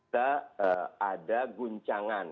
kita ada guncangan